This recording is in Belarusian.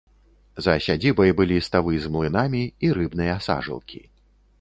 За сядзібай былі ставы з млынамі і рыбныя сажалкі.